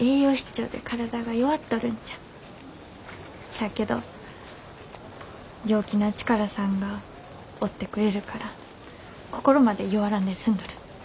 しゃあけど陽気な力さんがおってくれるから心まで弱らんで済んどる。